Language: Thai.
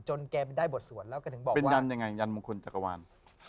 แกได้บทสวดแล้วก็ถึงบอกเป็นยันยังไงยันมงคลจักรวาล